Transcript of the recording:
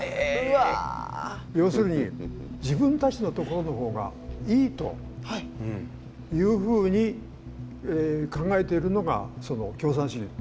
要するに自分たちのところの方がいいというふうに考えているのがその共産主義。